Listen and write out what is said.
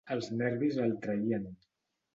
Els nervis el traïen.